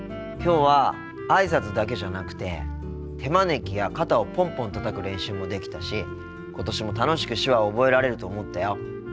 きょうはあいさつだけじゃなくて手招きや肩をポンポンたたく練習もできたし今年も楽しく手話を覚えられると思ったよ。